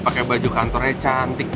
pakai baju kantornya cantik